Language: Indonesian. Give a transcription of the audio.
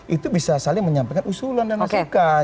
itu bisa saling menyampaikan usulan dan masukan